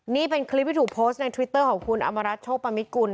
นี่เป็นคลิปที่ถูกโพสต์ในทวิตเตอร์ของคุณอำมารัฐโชคปมิตกุล